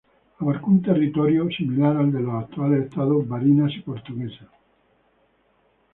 Abarcó un territorio similar al de los actuales estados Barinas y Portuguesa.